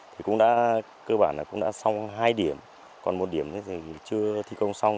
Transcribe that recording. thì cũng đã cơ bản là cũng đã xong hai điểm còn một điểm chưa thi công xong